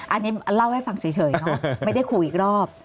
อันนี้เล่าให้ฟังเฉยเนอะไม่ได้ขู่อีกรอบ